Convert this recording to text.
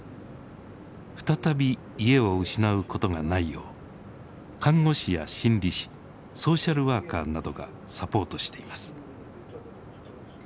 再び家を失うことがないよう看護師や心理士ソーシャルワーカーなどがサポートしています。